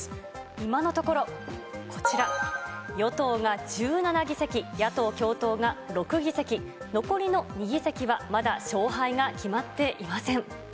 今のところ、こちら、与党が１７議席、野党共闘が６議席、残りの２議席はまだ勝敗が決まっていません。